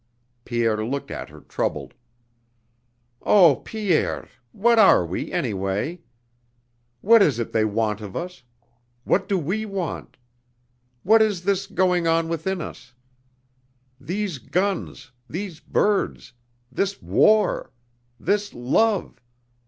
Pierre looked at her troubled. "Oh, Pierre! What are we, anyway?... What is it they want of us?... What do we want?... What is this going on within us? These guns, these birds, this war, this love....